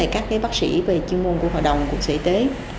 các bác sĩ về chuyên môn của hoạt động của sở y tế